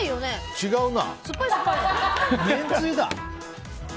違うな。